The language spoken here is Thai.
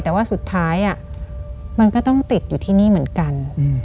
แต่ว่าสุดท้ายมันก็ต้องติดอยู่ที่นี่เหมือนกัน